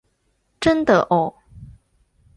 真的喔！